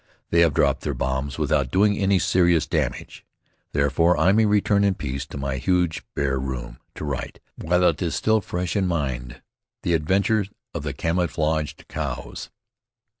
They have dropped their bombs without doing any serious damage. Therefore, I may return in peace to my huge bare room, to write, while it is still fresh in mind, "The Adventure of the Camouflaged Cows."